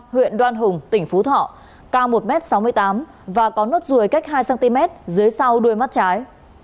huyện đoan hùng tỉnh phú thọ cao một m sáu mươi tám và có nốt ruồi cách hai cm dưới sau đuôi mắt trái